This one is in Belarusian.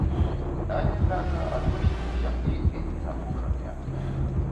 Але, кажа, адносіны ў сям'і вельмі напружаныя.